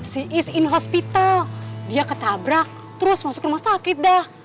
si is in hospital dia ketabrak terus masuk rumah sakit dah